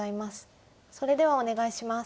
それではお願いします。